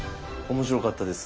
面白かったです。